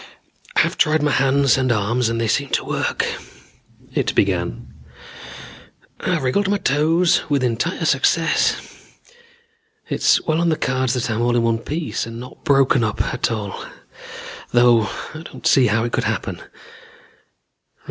"I've tried my hands and arms and they seem to work," it began. "I've wiggled my toes with entire success. It's well on the cards that I'm all in one piece and not broken up at all, though I don't see how it could happen.